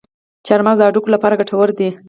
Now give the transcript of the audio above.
چارمغز د هډوکو لپاره ګټور دی.